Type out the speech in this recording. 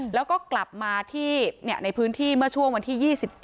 แล้วก็กลับมาที่ในพื้นที่เมื่อช่วงวันที่๒๗